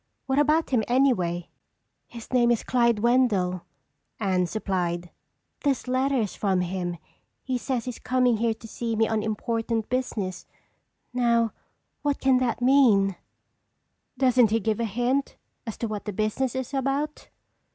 What about him anyway?" "His name is Clyde Wendell," Anne supplied. "This letter is from him. He says he's coming here to see me on important business. Now what can that mean?" "Doesn't he give a hint as to what the business is about?"